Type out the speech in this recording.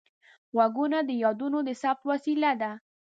غوږونه د یادونو د ثبت وسیله ده